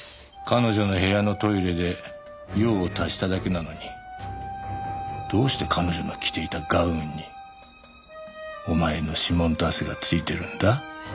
彼女の部屋のトイレで用を足しただけなのにどうして彼女の着ていたガウンにお前の指紋と汗がついてるんだ？